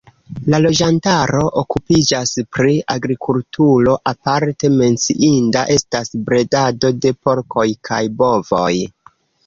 La loĝantaro okupiĝas pri agrikulturo, aparte menciinda estas bredado de porkoj kaj bovoj.